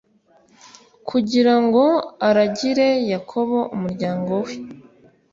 kugira ngo aragire Yakobo umuryango we